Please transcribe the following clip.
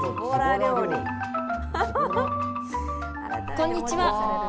こんにちは。